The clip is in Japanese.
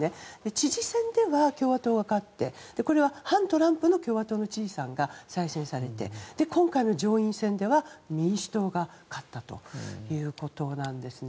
知事選では共和党が勝ってこれは反トランプの共和党の知事さんが再選されて今回の上院選では民主党が勝ったということなんですね。